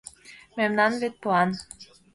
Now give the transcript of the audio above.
Мемнан вет план.